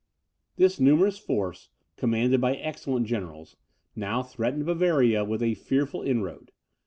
This numerous force, commanded by excellent generals, now threatened Bavaria with a fearful inroad.